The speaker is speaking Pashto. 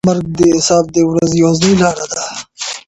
مرګ د حساب د ورځې یوازینۍ لاره ده.